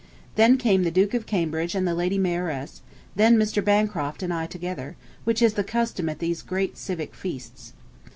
Then came the Duke of Cambridge and the Lady Mayoress, then Mr. Bancroft and I together, which is the custom at these great civic feasts.